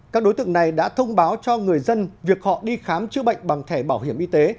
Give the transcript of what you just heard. các đối tượng này đã thông báo cho người dân việc họ đi khám chữa bệnh bằng thẻ bảo hiểm y tế